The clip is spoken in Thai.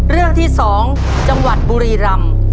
เรื่องที่๒จังหวัดบุรีรำ